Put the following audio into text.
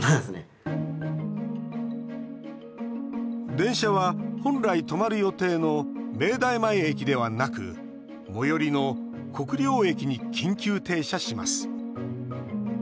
電車は、本来止まる予定の明大前駅ではなく最寄りの国領駅に緊急停車します。